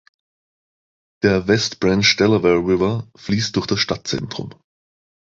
Der West Branch Delaware River fließt durch das Stadtzentrum.